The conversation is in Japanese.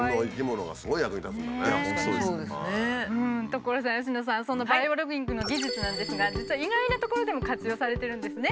所さん佳乃さんそのバイオロギングの技術なんですが実は意外なところでも活用されてるんですね。